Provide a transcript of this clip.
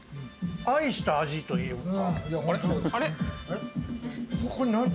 愛した味というか。